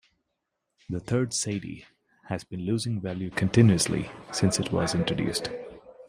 The third Cedi has been losing value continuously since it was introduced.